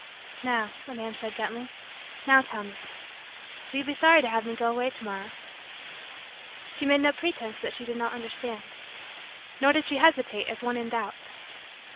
"Now," said the man gently, "now tell me will you be sorry to have me go away to morrow?" She made no pretense that she did not understand, Nor did she hesitate as one in doubt.